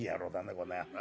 この野郎。